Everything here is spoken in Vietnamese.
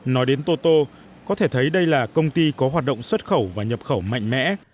nói đến toto có thể thấy đây là công ty có hoạt động xuất khẩu và nhập khẩu mạnh mẽ